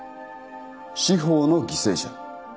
司法の犠牲者。